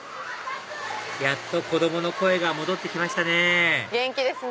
やっと子供の声が戻って来ましたね元気ですね。